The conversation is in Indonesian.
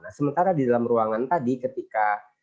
nah sementara di dalam ruangan tadi ketika